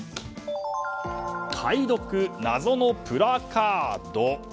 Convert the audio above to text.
解読、謎のプラカード。